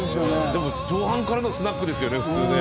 でも同伴からのスナックですよね普通ね。